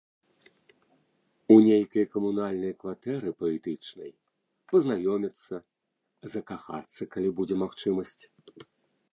У нейкай камунальнай кватэры паэтычнай, пазнаёміцца, закахацца, калі будзе магчымасць.